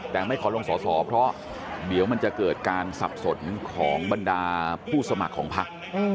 แต่ไม่ขอลงสอสอเพราะเดี๋ยวมันจะเกิดการสับสนของบรรดาผู้สมัครของพัก